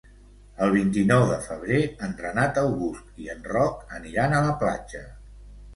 El vint-i-nou de febrer en Renat August i en Roc aniran a la platja.